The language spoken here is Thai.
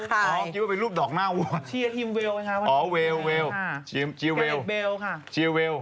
อ๋อคิดว่าเป็นรูปดอกหน้าวัว